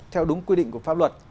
theo đúng quy định của pháp luật